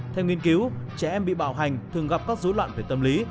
theo nghiên cứu trẻ em bị bạo hành thường gặp các dối loạn về tâm lý